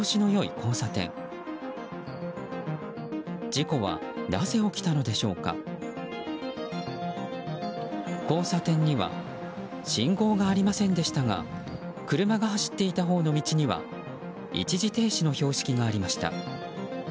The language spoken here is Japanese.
交差点には信号がありませんでしたが車が走っていたほうの道には一時停止の標識がありました。